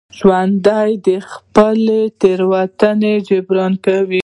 ژوندي د خپلې تېروتنې جبران کوي